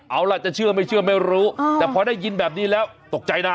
เอาล่ะจะเชื่อไม่เชื่อไม่รู้แต่พอได้ยินแบบนี้แล้วตกใจนะ